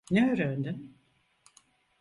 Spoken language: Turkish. Ne öğrendin?